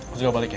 gue juga balik ya